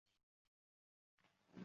Buyuk orzular bilan orom oling.